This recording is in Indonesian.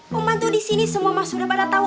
pembantu di sini semua mah sudah pada tau